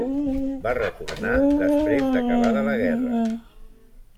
Va retornar després d'acabada la guerra.